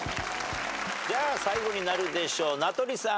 最後になるでしょう名取さん。